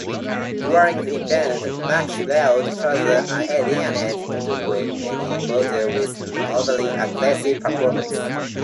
During the event, McLeod further alienated many voters with an overly aggressive performance.